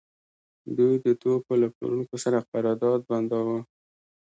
دوی د توکو له پلورونکو سره قرارداد بنداوه